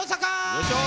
よいしょ。